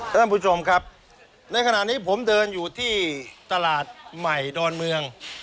ท่านผู้ชมครับในขณะนี้ผมเดินอยู่ที่ตลาดใหม่ดอนเมือง